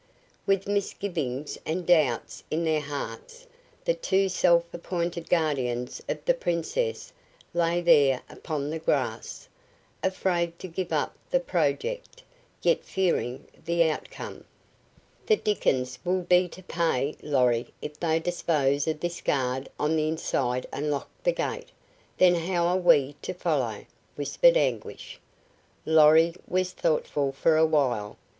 With misgivings and doubts in their hearts the two self appointed guardians of the Princess lay there upon the grass, afraid to give up the project, yet fearing the outcome. "The dickens will be to pay, Lorry, if they dispose of this guard on the inside and lock the gate. Then how are we to follow?" whispered Anguish. Lorry was thoughtful for a while.